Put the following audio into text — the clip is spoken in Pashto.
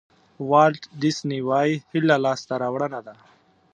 والټ ډیسني وایي هیله لاسته راوړنه ده.